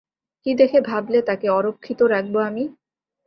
কী দেখে ভাবলে তাকে অরক্ষিত রাখবো আমি?